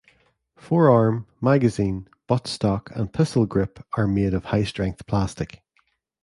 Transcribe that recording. Forearm, magazine, butt stock and pistol grip are made of high strength plastic.